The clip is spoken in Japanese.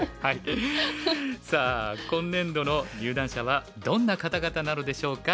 さあ今年度の入段者はどんな方々なのでしょうか。